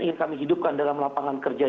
yang kami hidupkan dalam lapangan kerja